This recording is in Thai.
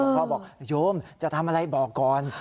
พ่อบอกโยมจะทำอะไรบอกก่อน